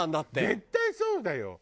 絶対そうだよ。